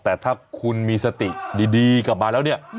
แต่ถ้าคุณมีสติดีกลับมาแล้วเนี่ย